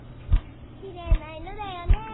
きれいないろだよね。